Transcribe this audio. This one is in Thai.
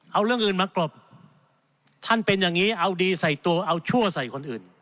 เอาเรื่องอื่นมากรบท่านเป็นอย่างนี้เอาดีใส่ตัวเอาชั่วใส่คนอื่น